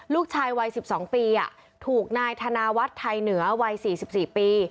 ลูกชายวัย๑๒ปีถูกนายธนาวัฒน์ไทยเหนือวัย๔๔ปี